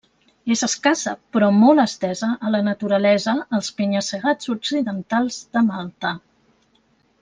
És escassa però molt estesa a la naturalesa als penya-segats occidentals de Malta.